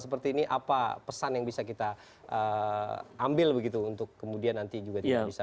seperti ini apa pesan yang bisa kita ambil begitu untuk kemudian nanti juga tidak bisa